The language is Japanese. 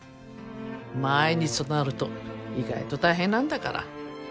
毎日となると意外と大変なんだから。